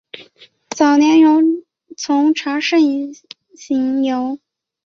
早年从查慎行游。